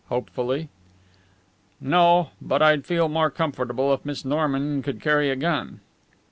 hopefully. "No, but I'd feel more comfortable if Miss Norman could carry a gun."